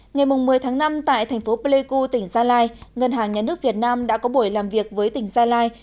ngày một mươi tháng năm tại thành phố pleiku tỉnh gia lai ngân hàng nhà nước việt nam đã có buổi làm việc với tỉnh gia lai